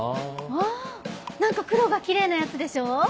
あ何か黒がキレイなやつでしょ？